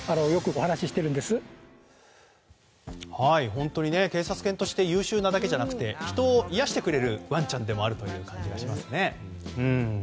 本当に警察犬として優秀なだけじゃなくて人を癒やしてくれるワンちゃんであるという感じがしますね。